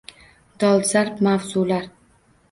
Dolzarb mavzular